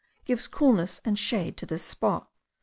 gives coolness and shade to this spot.